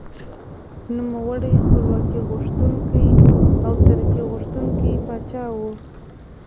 نوموړی خپلواکي غوښتونکی او ترقي خوښوونکی پاچا و.